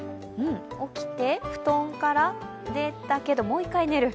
起きて、布団から出たけど、もう一回寝る。